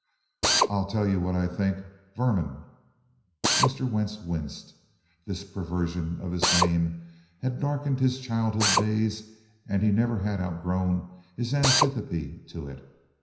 "I'll tell you what I think, Vermin!" Mr. Wentz winced. This perversion of his name had darkened his childhood days and he never had outgrown his antipathy to it.